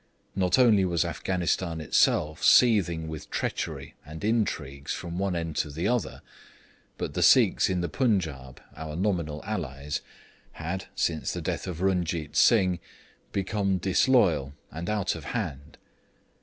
Not only was Afghanistan itself seething with treachery and intrigues from one end to the other, but the Sikhs in the Punjaub, our nominal allies, had, since the death of Runjeet Singh, become disloyal and out of hand.